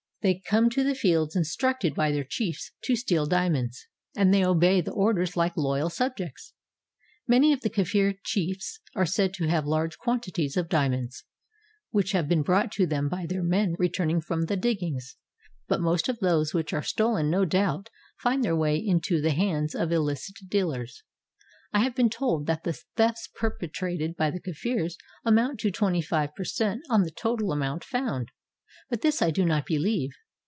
They come to the Fields instructed by their chiefs to steal diamonds, and they obey the orders like loyal subjects. Many of the Kafir chiefs are said to have large quanti ties of diamonds, which have been brought to them by their men returning from the diggings; — but most of those which are stolen no doubt find their way into the hands of illicit dealers. I have been told that the thefts perpetrated by the Kafirs amount to twenty five per cent on the total amount found; — but this I do not believe.